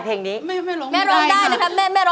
เต้นกันใหญ่เลยไม่หยุดเลยแม่